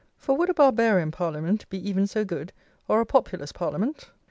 for would a Barbarian Parliament be even so good, or a Populace Parliament?